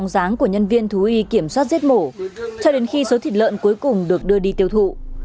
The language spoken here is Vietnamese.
ráng của nhân viên thú y kiểm soát giết mổ cho đến khi số thịt lợn cuối cùng được đưa đi tiêu thụ